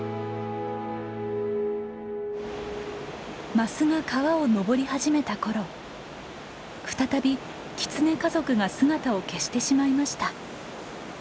マスが川を上り始めたころ再びキツネ家族が姿を消してしまいました。